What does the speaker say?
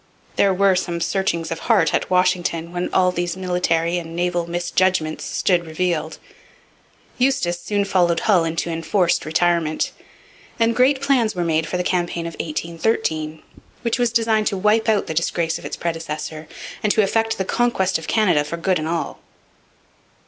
There were some searchings of heart at Washington when all these military and naval misjudgments stood revealed. Eustis soon followed Hull into enforced retirement; and great plans were made for the campaign of 1813, which was designed to wipe out the disgrace of its predecessor and to effect the conquest of Canada for good and all.